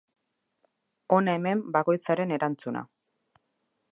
Hona hemen bakoitzaren erantzuna.